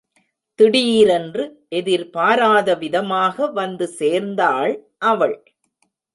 திடீரென்று, எதிர்பாராத விதமாக வந்து சேர்ந்தாள் அவள்.